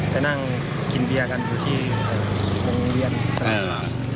ไปนั่งกินเบียกันที่มงวิเยียนสรรค์